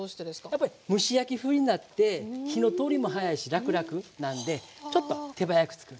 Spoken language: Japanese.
やっぱり蒸し焼き風になって火の通りも早いしらくらくなんでちょっと手早く作るために。